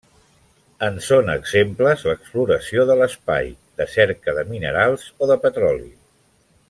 En són exemples l'exploració de l'espai, de cerca de minerals o de petroli.